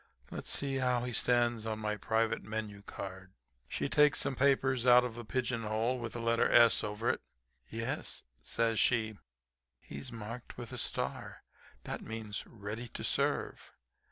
Let's see how he stands on my private menu card.' She takes some papers out of a pigeon hole with the letter 'S' over it. "'Yes,' says she, 'he's marked with a star; that means "ready to serve."